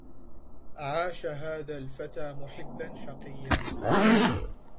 عاش هذا الفتى محبا شقيا